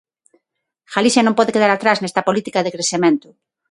Galicia non pode quedar atrás nesta política de crecemento.